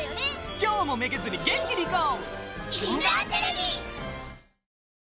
今日もめげずに元気にいこう！